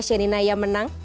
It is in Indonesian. shenina ya menang